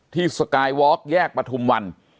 สกายวอล์กแยกประทุมวัน